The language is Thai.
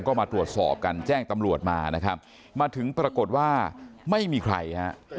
ก็มาตรวจสอบกันแจ้งตำรวจมานะครับมาถึงปรากฏว่าไม่มีใครฮะ